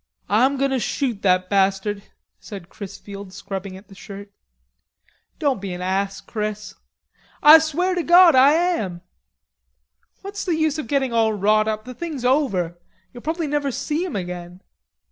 "Ah'm goin' to shoot that bastard," said Chrisfield, scrubbing at the shirt. "Don't be an ass, Chris." "Ah swear to God Ah am." "What's the use of getting all wrought up. The thing's over. You'll probably never see him again."